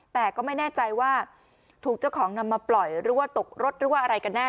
แต่ก็ไม่แน่ใจว่าถูกเจ้าของนำมาปล่อยหรือว่าตกรถหรือว่าอะไรกันแน่